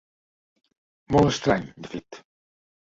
Molt estrany, de fet.